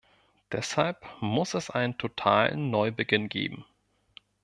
Deshalb muss es einen totalen Neubeginn geben.